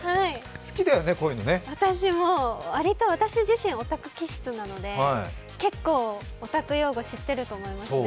私自身、オタク気質なので、結構オタク用語知っていると思いますね。